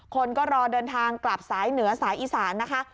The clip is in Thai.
คนก็รอเดินทางกลับสายเหนือสายอีสานนะคะ